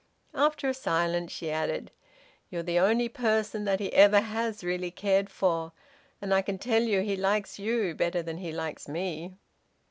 After a silence she added: "You're the only person that he ever has really cared for, and I can tell you he likes you better than he likes me."